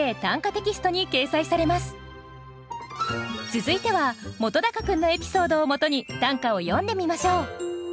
続いては本君のエピソードをもとに短歌を詠んでみましょう。